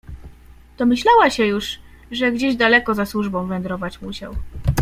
"Domyślała się już, że gdzieś daleko za służbą wędrować musiał."